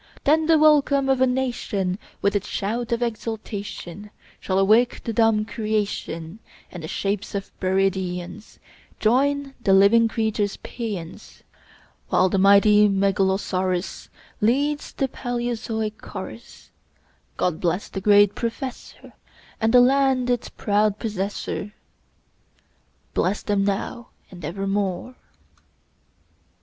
Then the welcome of a nation, With its shout of exultation, Shall awake the dumb creation, And the shapes of buried aeons Join the living creatures' paeans, While the mighty megalosaurus Leads the palaeozoic chorus, God bless the great Professor, And the land its proud possessor, Bless them now and evermore!"